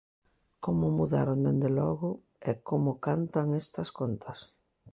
¡Como mudaron, dende logo, e como cantan estas contas!